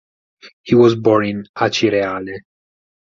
He was born in Acireale.